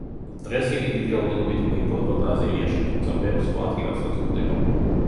დღეს იგი დიდი რაოდენობით მოიპოვება ბრაზილიაში, თუმცა ბევრ სხვა ადგილასაც გვხვდება.